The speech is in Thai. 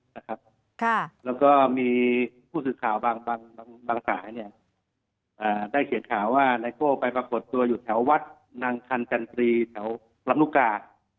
แล้วก็มีผู้สื่อข่าวบางสายได้เขียนข่าวว่าไนโก้ไปปรากฏตัวอยู่แถววัดนางคันจันตรีแถวลำลูกกา